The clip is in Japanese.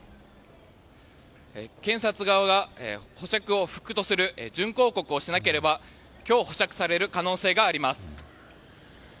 検察側が保釈を不服とする準抗告をしなければ今日、保釈される可能性があります。